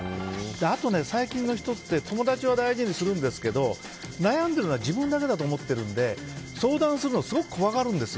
あと、最近の人って友達は大事にするんですけど悩んでるのは自分だけだと思ってるので相談するの怖がるんです